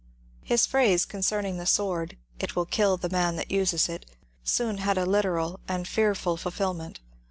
His phrase concerning the sword, " it will kill the man that uses it," soon had a literal and fearful fulfilment.